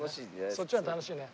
そっちの方が楽しいね。